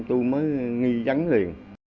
tu mới nghi giắng liền